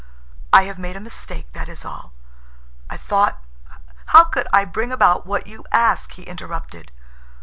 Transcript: I have made a mistake, that is all. I thought—" "How could I bring about what you ask?" he interrupted.